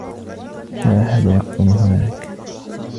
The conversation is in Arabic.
لا أحد يقطن هناك.